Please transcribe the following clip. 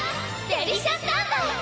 デリシャスタンバイ！